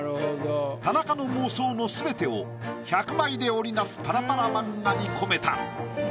田中の妄想の全てを１００枚で織り成すパラパラ漫画に込めた。